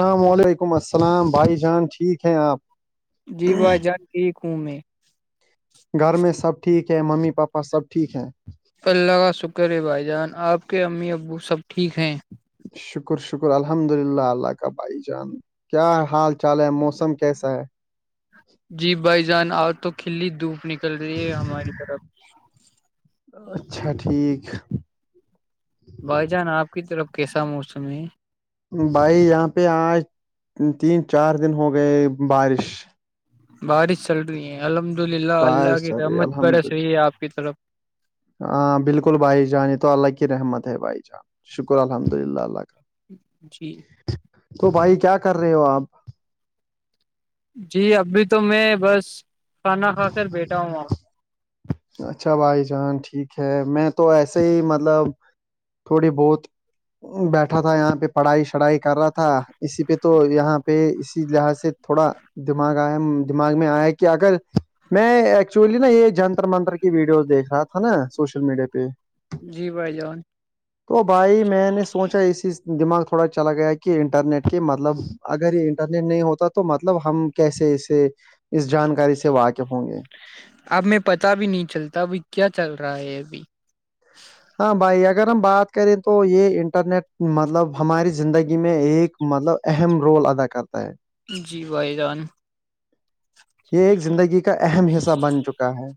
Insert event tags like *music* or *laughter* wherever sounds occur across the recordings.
السلام علیکم السلام بھائی جان ٹھیک ہیں آپ جی بھائی جان گیک میں گھر میں سب ٹھیک ہے ممی پاپا سب ٹھیک ہے اللہ کا شکر ہے بھائی جان آپ کے امی ابو سب ٹھیک ہیں شکر شکر الحمد للہ اللہ کا بھائی جان کیا حال چال ہے موسم کیسا ہے جی بھائی جان آ تو کھلی دھوپ نکل رہی ہے ہماری طرف اچھا ٹھیک بھائی جان آپ کی طرف کیسا موسم ہے بھائی یہاں پہ آج تین چار دن ہو گئے بارش بارش چل رہی ہیں الحمد للہ اللہ بارش کی چل رہی رحمت الحمد برسحیح ہے آپ کی طرف ہاں بالکل بھائی جان تو اللہ کی رحمت ہے بھائی جان شکر الحمد للہ اللہ کا جی تو بھائی کیا کر رہے ہو آپ جی ابھی تو میں بس کھانا کھا کر بیٹھا ہوںا ہ اچھا بھائی جان ٹھیک ہے میں تو ایسے ہی مطلب تھوڑی بہت بیٹھا تھا یہاں پہ پڑھائی شڑھائی کر رہا تھا اسی پہ تو یہاں پہ اسی لحظ سے تھوڑا دماغ آیا دماغ میں آیا کہ اگر میں ایکچولی نا یہ جن مر منتر کی ویڈیوز دیکھ رہا تھا نا سوشل میڈیا پہ جی بھائی جان تو بھائی میں نے سوچا اسی دماغ تھوڑا چلا گیا کہ انٹرنیٹ کے مطلب اگر یہ انٹرنیٹ نہیں ہوتا تو مطلب ہم کیسے اسے اس جانکاری سے واقف ہوں گے اب میں پتا بھی نہیں چلتا ابھی کیا چل رہا ہے ابھی ہاں بھائی اگر ہم بات کریں تو یہ انٹرنیٹ مطلب ہماری زندگی میں ایک مطلب اہم رول ادا کرتا ہے جی بھائی جان یہ ایک زندگی کا اہم حصہ بن چکا ہے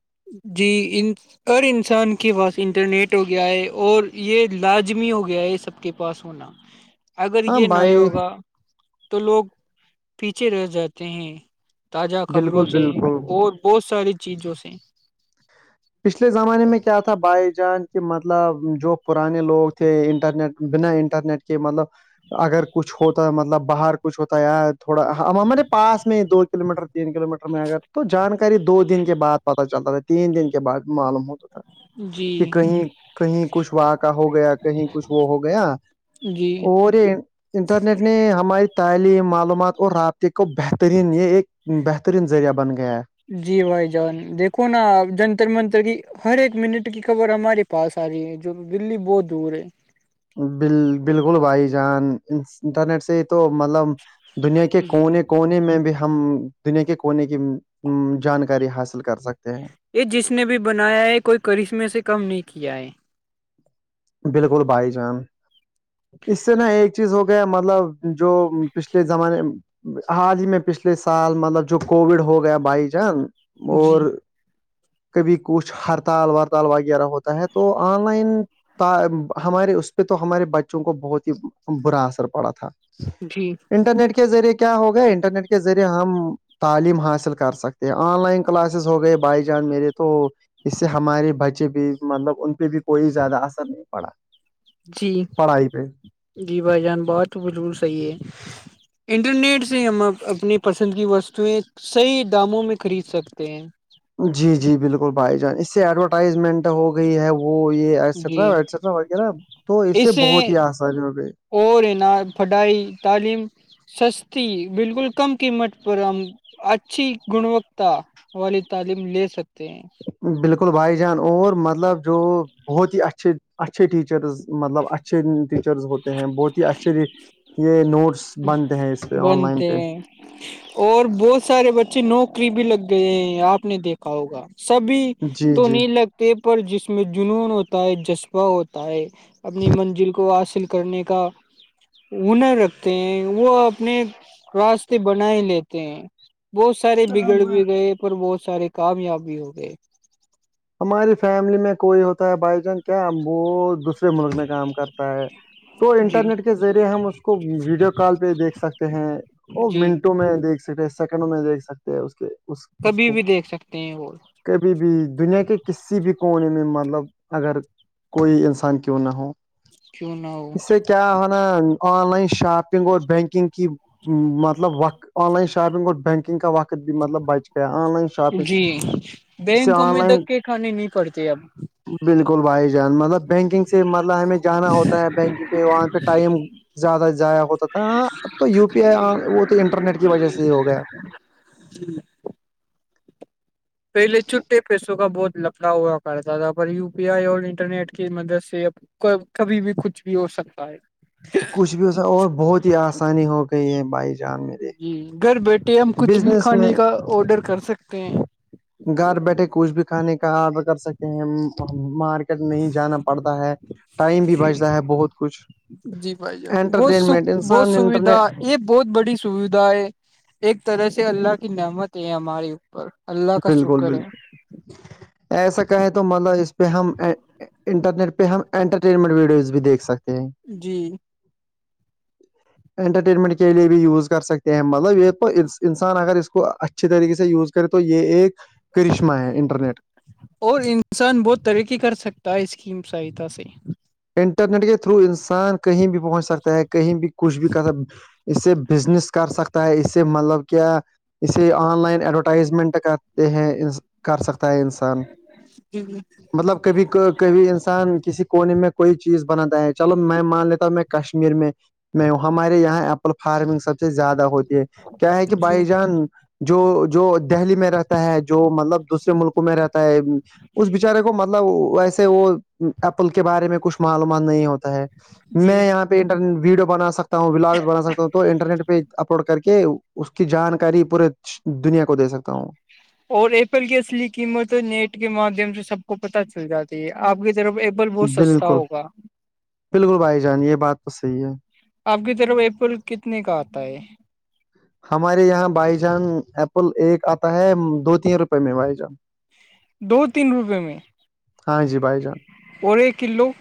جی ان ہر انسان کے پاس انٹرنیٹ ہو گیا ہے اور یہ لازمی ہو گیا ہے سب کے پاس ہونا *inaudible* اگر ہاں یہ نہیں بھائی ہوگا تو لوگ پیچھے رہ جاتے ہیں تازہ خبروں بالکل سے بالکل اور بہت ساری چیزوں سے پچھلے زمانے میں کیا تھا بھائی جان کہ مطلب جو پرانے لوگ تھے انٹرنیٹ بنا انٹرنیٹ کے مطلب اگر کچھ ہوتا ہے مطلب باہر کچھ ہوتا ہے ی تھوڑا ہم ہمارے پاس میں دو کلو میٹر تین کلو میٹر میں اگر تو جانکاری دو دن کے بعد پتا چلتا رہ تین دن کے بعد معلوم ہو جی کہ کہیں کہیں کچھ وہاں کا ہو گیا کہیں کچھ وہ ہو گیا جی اور یہ انٹرنیٹ نے ہماری تعلیم معلومات اور رابطے کو بہترین یہ ایک بہترین ذریعہ بن گیا جی بھائی جان دیکو نا جنتر منتر کی ہر ایک منٹ کی خبر ہمارے پاس آ رہی ہے جو دللی بہت دور ہے ب بالکل بھائی جان انٹرنیٹ سے تو مطلب دنیا کے جی کونے کونے میں بھی ہم دنیا کے کونے کی جانکاری حاصل کر سکتے ہیں یہ جس نے بھی بنایا ہے کوئی کرشمے سے کم نہیں کیا ہے بالکل بھائی جان اس سے نا ایک چیز ہو گیا مطلب جو پچھلے زمانے حال ہی میں پچھلے سال مطلب جو کووڈ ہو گیا بھائی جان جی اور کبھی کچھ ہڑتال وڑتال وغیرہ ہوتا ہے تو آن لائن ہمارے اس پہ تو ہمارے بچوں کو بہت ہی برا اثر پڑا تھا جی انٹرنیٹ کے ذریعے کیا ہوگا انٹرنیٹ کے ذریعے ہم تعلیم حاصل کر سکتے ہیں آن لائن کلاسز ہو گئے بھائی جان میرے تو اس سے ہمارے بچے بھی مطلب ان پہ بھی کوئی زیادہ اثر نہیں پڑا جی پڑھائی پہ جی بھائی جان بات تو بلکل صحیح ہے انٹرنیٹ سے ہم اپنی پسند کی وستویں صحیح داموں میں خرید سکتے ہیں جی جی بالکل بھائی جان اس سے ایڈورٹائزمنٹ ہو گئی ہے وہ یہ جی ایسٹرا وٹرا وغیرہ تو اس سے بہت ہی آسانی ہوگئی اور حینا پڑھائی تعلیم سستی بالکل کم قیمت پر ہم اچھی گنوکتا والی تعلیم لے سکتے ہیں بالکل بھائی جان اور مطلب جو بہت ہی اچھے اچھے ٹیچرز مطلب اچھ اچھے ٹیچرز ہوتے ہیں بہت ہی اچھے یہ نوٹس بنتے ہیں اس پہ آن لائن بنتے پہ ہیں اور بہت سارے بچے نوکری بھی لگ گئے ہیں آپ نے دیکھا ہوگا سبھی جی تو جی نہیں لگتے پر جس میں جنون ہوتا ہے جذبہ ہوتا ہے اپنی منزل کو حاصل کرنے کا ہنر رکھ وہ اپنے راستے بنائی لیتے ہیں وہ سارے بگڑ بھی گئے پر بہت سارے کامیاب بھی ہو گئے ہماری فیملی میں کوئی ہوتا ہے بائی چانس کیا وہ دوسرے ملک میں کام کرتا ہے تو جی انٹرنیٹ کے ذریعے ہم اس کو ویڈیو کال پہ دیکھ سکتے ہیں وہ جی منٹوں میں دیکھ سکتے ہیں سیکنڈ میں دیکھ سکتے ہیں اس کے اس اس کبھی کو بھی دیکھ سکتے ہیں وہ کبھی بھی دنیا کے کہ کسی بھی کونے میں مطلب اگر کوئی انسان کیوں نہ ہو کیوں نہ ہو اس سے کیا ہوناا آن لائن شاپنگ اور بینکنگ کی مطلب وقت آن لائن شاپنگ اور بینکنگ کا وقت بھی مطلب بچے گ آن لائن شاپنگ جی اس سے بینک آن میں لائن دھکے کھانے نہیں پڑتے اب بالکل بھائی جان مطلب بینکنگ سے مطلب ہمیں جانا ہوتا ہے بینکنگ پہ وہاں پہ ٹائم ج زیادہ ضائع ہوتا تھا ہاں اب تو یو پی آئی وہ تو انٹرنیٹ کی وجہ سے ہی ہو گیا جی پہلے چھٹے پیسوں کا بہت لپڑا ہوا کرتا تھا پر یو پی آئی اور انٹرنیٹ کی مدد سےب کبھی بھی کچھ بھی ہو سکتا ہے کچھ بھی اس اور بہت ہی آسانی ہو گئی ہے بھائی جان میں جی گھر بیٹھے ہم کچھ بھی بزنس کھانے کا آڈر کر سکتے ہیں گھر بیٹھے کچھ بھی کھانے کا آرڈر کر سکے ہیں مارکی نہیں جانا پڑتا ہے ٹائم بھی بچتا ہے بہت کچھ جی بھائی ج بہت س انٹرٹینمنٹ بہت انسان سویدھا انٹرنیٹ یہ بہت بڑی سویدھا ہے ایک طرح سے اللہ کی نعمت ہے ہمارے اوپر اللہ کا بالکل شکر ہے بالکل ایسا کہیں تو مطلب اس پہ ہم انٹرنیٹ پہ ہم انٹرٹینمنٹ ویڈیوز بھی دیکھ سکتے ہیں جی انٹرٹینمنٹ کے لیے بھی یوز کر سکتے ہیں مطلب یہ انسان اگر اس کو اچھی طریقے سے یوز کرے تو یہ ایک کرشمہ ہے انٹرنیٹ کا اور انسان بہت ترقی کر سکتا ہے اس کی سہایتا سے انٹرنیٹ کے تھرو انسان کہیں بھی پہنچ سکتا ہے کہیں بھی کچھ بھی کا اسے بزنس کر سکتا ہے اسے مطلب کیا اسے آن لائن ایڈورٹائزمنٹ کرتے ہیں کر سکتا ہے انسان جی *unintelligible* مطلب کبھی کبھی انسان کسی کونے میں کوئی چیز بناتا ہے چلو میں مان لیتا ہوں میں کشمیر میں میں ہ ہمارے یہاں ایپل فارمنگ سب سے زیادہ ہوتی ہے کیا ہے کہ جی بھائی جان جو جو دہلی میں رہتا ہے جو مطلب دوسرے ملکوں میں رہتا ہے اس بچارے کو مطلب ویسے وہ ایپل کے بارے میں کچھ معلومان نہیں ہوتا ہے جی میں یہاں پہ انٹرنی ویڈیو بنا سکتا ہوں بلاگس بنا سکتا ہوں تو انٹرنیٹ پہ اپلوڈ کر کے اس کی جانکاری پورے دنیا کو دے سکتا ہوں *unintelligible* اور ایپل کی اصلی قیمت نیٹ کے مادھیم سے سب کو پتہ چل جاتی ہے آپ کی طرف ایپل بہت سستا بالکل ہوگا بالکل بھائی جان یہ بات تو صحیح ہے آپ کی طرف ایپل کتنے کا آتا ہے ہمارے یہاں بائی جان ایپل ایک آتا ہے دو تین روپے میں بائی جان دو تین روپئے میں *unintelligible* ہاں جی بھائی جان اور ایک کلو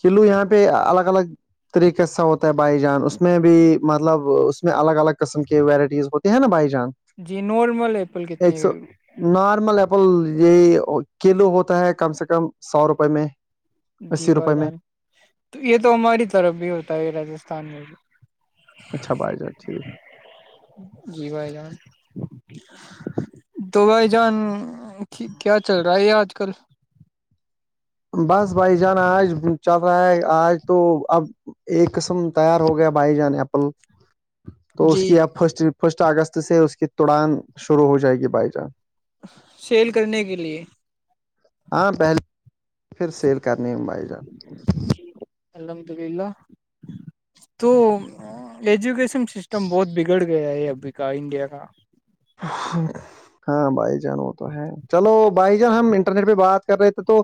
کلو یہاں پہ الگ الگ طریقے سا ہوتا ہے بائی جان اس میں بھی مطلب اس میں الگ الگ قسم کی ورائٹیز ت ہیں نا بائی جان *unintelligible* جی نارمل ایپل کتنے ایک سو نارمل ایپل یہی کلو ہوتا ہے کم سے کم سو روپے میں جی اسی بائی روپئے میں جان تو یہ تو ہماری طرف بھی ہوتا ہے راجستھان میں بھی اچھا بائی جار ٹھیک *unintelligible* جی بھائی جان تو بھائی جان کیا چل رہا ہے یہ آج کل بس بھائی جانا آج چل رہا ہے آج تو اب ایک قسم تیار ہو گیا بھائی جان ایپل تو اس جی کی اب فسٹ فسٹ اگست سے اس کی توڑان شروع ہو جائے گی بھائی جان سیل کرنے کے لیے *unintelligible* ہاں پہلے پھر سیل کرنی ہے موبائل جہ الحمد للہ توجوکشن *unintelligible* سسٹم بہت بگڑ گیا ہے ابھی کا انڈیا کا ہاں ہاں بھائی جان وہ تو ہے چلو بھائی جان ہم انٹرنیٹ پہ بات کر رہے تھے تو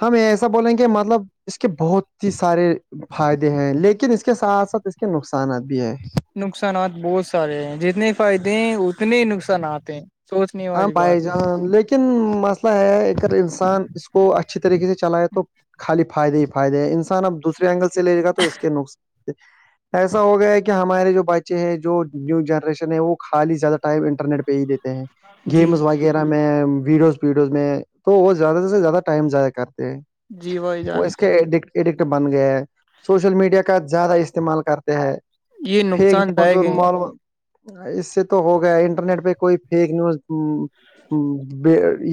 ہم ایسا بولیں گے مطلب اس کے بہت ہی سارے فائدے ہیں لیکن اس کے ساتھ ساتھ اس کے نقصانات بھی ہیں نقصانات بہت سارے ہیں جتنے فائدے ہیں اتنے ہی نقصانات ہیں سوچنے ہ والی بائے بات ہے ل *unintelligible* لن مسئلہ ہے اگر انسان اس کو اچھی طریقے سے چلائے تو خالی فائدے ہی فائدے ہیں انسان اب دوسرے اینگل سے لے لے گا تو اس کے نص ایسا ہو گیا ہے کہ ہمارے جو بچے ہیں جو نیو جنریشن ہے وہ خالی زیادہ ٹائپ انٹرنیٹ پہ ہی دیتے ہیں جی گیمز وغیرہ میں ویڈیوز ویڈیوز میں تو وہ زیادہ سے زیادہ ٹائم ضائع کرتے ہیں جی بھائی وہ جان اس کے ایڈکٹ ایڈکٹ بن گئے ہے سوشل میڈیا کا کا زیادہ استعمال کرتے ہیں یہ پیک نقصان نیز دائق اور ہیں مولوم اس سے تو ہو گیا انٹرنیٹ پہ کوئی فیک نیوز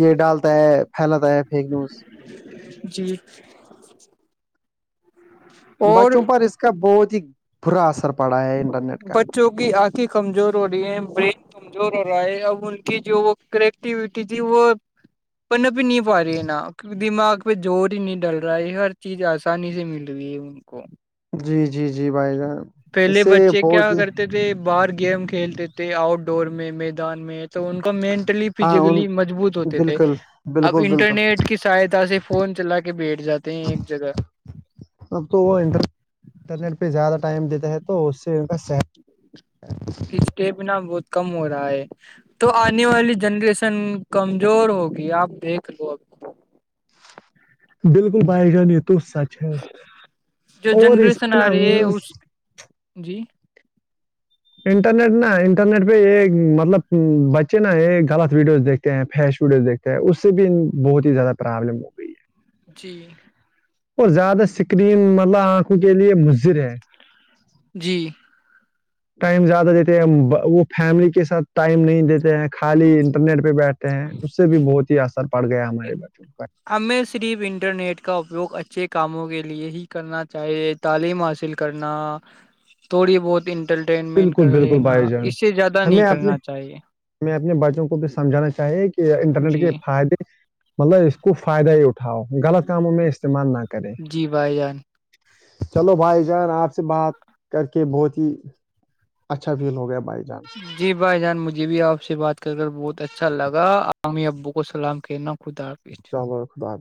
یہ ڈالتا ہے پھیلاتا ہے فیک نیوز جی اور بچوں پر اس کا بہت ہی برا اثر پڑا ہے انٹرنیٹ کا جوک آنکھیں کمزور ہو رہی ہیں برین کمزور ہو رہا ہے اب ان کی جو وہ کریٹیوٹی تھی وہ پننا پ نہیں پا رہی ہیں نا دماغ پ زور ہی نہیں ڈل رہا ہے ہر چیز آسانی سے مل رہی ہے ان کو جی جی جی بھائی جان پہلے ایے بچے بہت کیا ہی کرتے تھے باہر گیم کھیلتے تھے آؤٹ ڈور میں میدان میں تو ان کا مین لی پ ہاں ان جگلی مجبوط ہوتے تھے بالکل اب بالکل بالکل انٹرنیٹ کی سہایتا سے فون چلا کے بیٹھ جاتے ہیں ایک جگہ اب تو وہ انٹر انٹرنیٹ پہ زیادہ ٹائم دیتا ہے تو اس سے ان کا صحت ا پچٹ بنا بہت کم ہو رہا ہے تو آنے والی جنریشن کمزور ہوگی آپ دیکھ لو اب بالکل بھائی جان یہ تو سچ ہے جو اور اس جنریشن میں آ ن رہی ہے اس جی انٹرنیٹ نا انٹرنیٹ پہ ایک مطلب بچے نا ایک غلط ویڈیوز دیکھتے دیک فیش ووڈز دیکھتے ہیں اس سے بھی بہت ہی زیادہ پرابلم ہو گئی ہے جی اور زیادہ سکرین مطلب آنکھوں کے لیے مضر ہے جی ٹائم زیادہ دیتے ہیں وہ فیملی کے ساتھ ٹائم نہیں دیتے ہیں خالی انٹرنیٹ پہ بیٹھتے ہیں اس سے بھی بہت ہی اثر پڑ گیا ہمارے بچوں پر ہمیں صرف انٹرنیٹ کا اپیوگ اچھے کاموں کے لیے ہی کرنا چاہیے تعلیم حاصل کرنا تھوڑی بہت ان انٹرٹینمنٹ بالکل کر بالکل لینا بھائی اس سے زیادہ نہیں کرنا چاہیے میں اپنے بچوں کو بھی سمجھانا چاہیے کہ انٹرنیٹ جی کے فائدے مطلب اس کو فائدہ ہی اٹھاؤ غلط کاموں میں استعمال نہ کرے جی بھائی جان چلو بھائی جان آپ سے بات کر کے بہت ہی اچھا فیل ہو گیا بائی جان جی بھائی جان مجھے بھی آپ سے بات کر کر بہت اچھا لگا عامی ابو کو سلام کہنا خدافظ ب خد آا